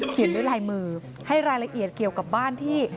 ด้วยลายมือให้รายละเอียดเกี่ยวกับบ้านที่